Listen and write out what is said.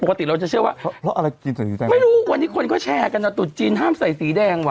เราจะเชื่อว่าเพราะอะไรจีนใส่สีแดงไม่รู้วันนี้คนก็แชร์กันอ่ะตุ๊ดจีนห้ามใส่สีแดงว่